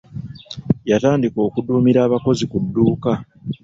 Yatandika okuduumira abakozi ku dduuka.